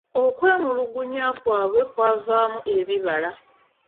Okwemulugunya kwabwe kwavaamu ebibala.